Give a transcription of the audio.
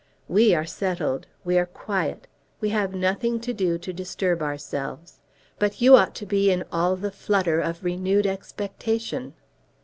We are settled. We are quiet. We have nothing to do to disturb ourselves. But you ought to be in all the flutter of renewed expectation."